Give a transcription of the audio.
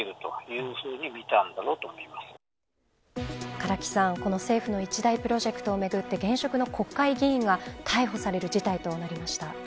唐木さん、この政府の一大プロジェクトをめぐって現職の国会議員が逮捕される事態となりました。